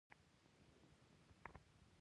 مشورو ته ډېر زیات اهمیت ورکوي.